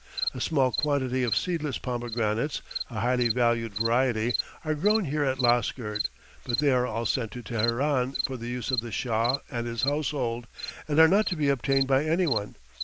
A small quantity of seedless pomegranates, a highly valued variety, are grown here at Lasgird, but they are all sent to Teheran for the use of the Shah and his household, and are not to be obtained by anyone.